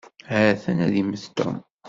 Ha-t-an ad immet Tom.